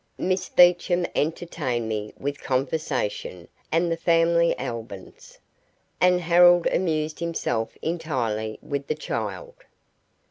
Miss Beecham entertained me with conversation and the family albums, and Harold amused himself entirely with the child.